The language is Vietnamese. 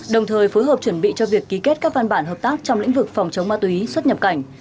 đồng thời phối hợp chuẩn bị cho việc ký kết các văn bản hợp tác trong lĩnh vực phòng chống ma túy xuất nhập cảnh